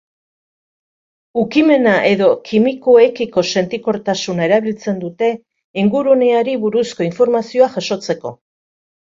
Ukimena edo kimikoekiko sentikortasuna erabiltzen dute, inguruneari buruzko informazioa jasotzeko.